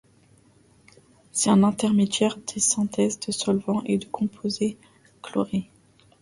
C'est un intermédiaire de synthèse de solvants et de composés chlorés.